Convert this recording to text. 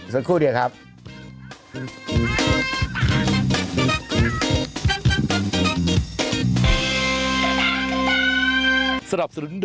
สักครู่เดียวครับ